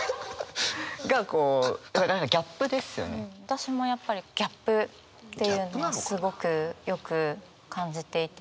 私もやっぱりギャップっていうのはすごくよく感じていて。